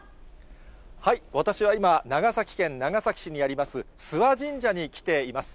私は今、長崎県長崎市にあります諏訪神社に来ています。